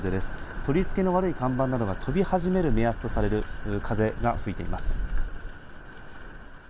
取り付けの悪い看板などが飛び始める目安とされる風が吹いています。